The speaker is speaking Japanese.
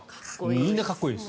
みんなかっこいいです。